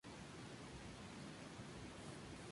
Se sitúa a menos de dos kilómetros del centro de la villa.